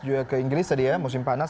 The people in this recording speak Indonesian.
juga ke inggris tadi ya musim panas